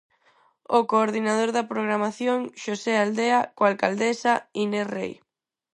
O coordinador da programación, Xosé Aldea, coa alcaldesa, Inés Rei.